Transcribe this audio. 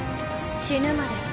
死ぬまでだ